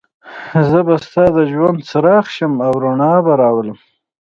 زه به ستا د ژوند څراغ شم او رڼا به راولم.